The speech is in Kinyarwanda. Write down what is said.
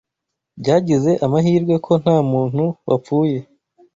Byagize amahirwe ko ntamuntu wapfuye.